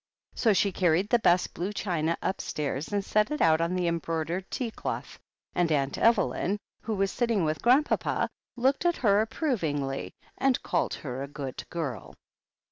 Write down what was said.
So she carried the best blue china upstairs and set it out on the embroidered tea cloth, and Aunt Evelyn, who was sitting with Grandpapa, looked at her approv ingly and called her a good girl.